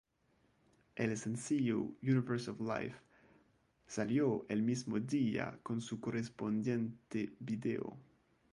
El sencillo "Universe of Life" salió el mismo día con su correspondiente vídeo.